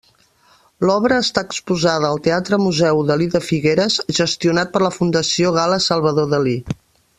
L'obra està exposada al Teatre-Museu Dalí de Figueres, gestionat per la Fundació Gala-Salvador Dalí.